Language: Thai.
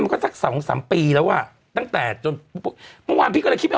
มันก็สักสามสามปีแล้วอ่ะตั้งแต่จนปุ๊บเมื่อวานพี่ก็เลยคิดไม่ออก